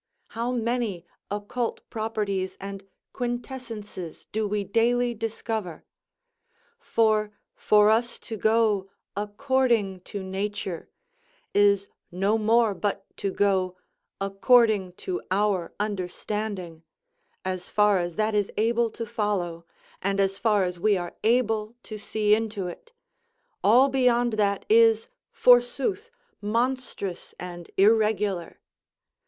How many occult properties and quintessences do we daily discover? For, for us to go "according to nature," is no more but to go "according to our understanding," as far as that is able to follow, and as far as we are able to see into it; all beyond that is, forsooth, monstrous and irregular.